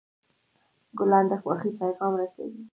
ګلان د خوښۍ پیغام رسوي.